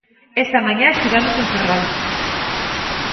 Esta mañá estivemos en Ferrol.